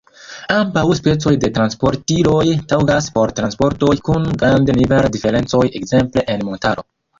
Ambaŭ specoj de transportiloj taŭgas por transportoj kun grandaj nivel-diferencoj, ekzemple en montaro.